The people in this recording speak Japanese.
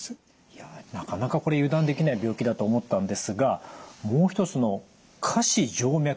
いやなかなかこれ油断できない病気だと思ったんですがもう一つの下肢静脈瘤